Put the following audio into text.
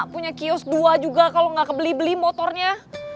punya kios dua juga kalau nggak kebeli beli motornya